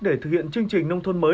để thực hiện chương trình nông thôn mới